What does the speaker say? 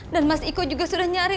dan mas iko juga sudah nyari